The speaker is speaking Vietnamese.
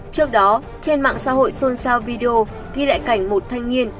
trước đó trên mạng xã hội sôn sao video ghi lại cảnh một thanh niên